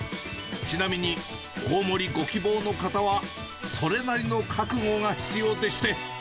ちなみに大盛りご希望の方は、それなりの覚悟が必要でして。